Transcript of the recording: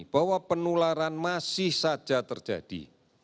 bahwa penularan masih saja terjadi